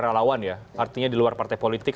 relawan ya artinya di luar partai politik